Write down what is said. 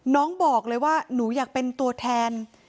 น้องบอกเลยว่าหนูอยากเป็นตัวแทน